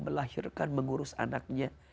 melahirkan mengurus anaknya